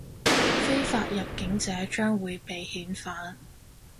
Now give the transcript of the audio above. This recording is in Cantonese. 非法入境者將會被遣返